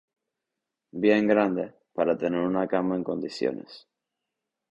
bien grande, para tener una cama en condiciones